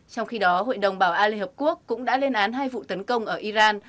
trong khi đó hội đồng bảo an liên hợp quốc cũng đã lên án hai vụ tấn công ở iran